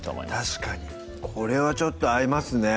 確かにこれはちょっと合いますね